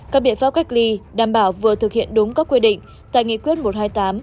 các biện pháp cách ly đảm bảo vừa thực hiện đúng các quy định tại nghị quyết một trăm hai mươi tám